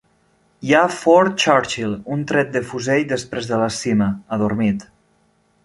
Hi ha Fort Churchill, un tret de fusell després de la cima, adormit.